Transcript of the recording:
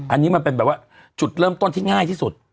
อันนี้มันเป็นแบบว่าจุดเริ่มต้นที่ง่ายที่สุด